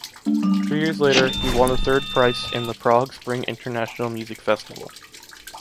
Three years later, he won the third price in the Prague Spring International Music Festival.